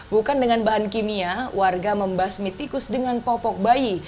bukan dengan bahan kimia warga membasmi tikus dengan popok bayi